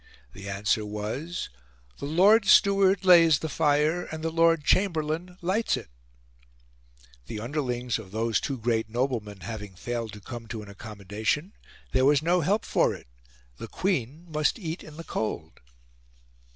The answer was "the Lord Steward lays the fire, and the Lord Chamberlain lights it;" the underlings of those two great noblemen having failed to come to an accommodation, there was no help for it the Queen must eat in the cold.